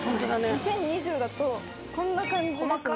２０２０だとこんな感じですね。